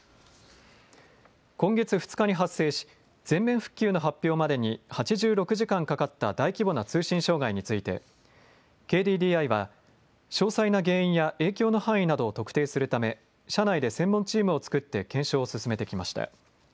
今月２日に発生し全面復旧の発表までに８６時間かかった大規模な通信障害についてＫＤＤＩは詳細な原因や影響の範囲などを特定するため社内で専門チームを作って検証を進めてきました。